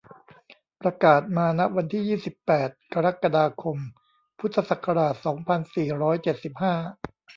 ประกาศมาณวันที่ ยี่สิบแปด กรกฎาคม พุทธศักราช สองพันสี่ร้อยเจ็ดสิบห้า